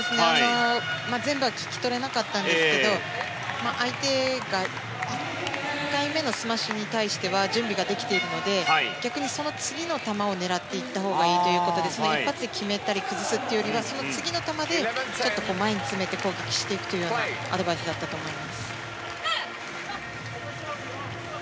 全部は聞き取れなかったんですけど相手が１回目のスマッシュに対しては準備ができているので逆にその次の球を狙っていったほうがいいということで一発で決めたり崩すというよりは次の球で、前に詰めて攻撃していくというようなアドバイスだったと思います。